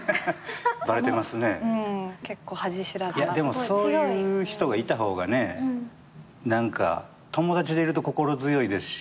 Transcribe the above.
でもそういう人がいた方がね何か友達でいると心強いですし。